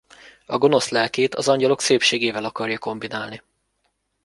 A gonosz lelkét az angyalok szépségével akarja kombinálni.